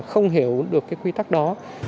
không hiểu được cái quy tắc đó